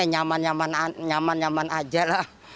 ya nyaman nyaman aja lah